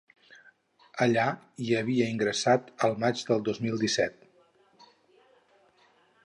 Allà hi havia ingressat el maig del dos mil disset.